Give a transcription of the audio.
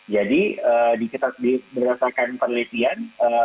jadi dikita berdasarkan penelitian